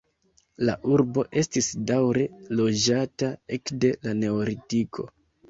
La urbo estis daŭre loĝata ekde la neolitiko.